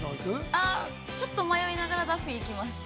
◆あっ、ちょっと迷いながら、ダッフィーに行きます。